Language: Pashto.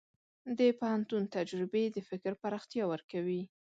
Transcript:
د پوهنتون تجربې د فکر پراختیا ورکوي.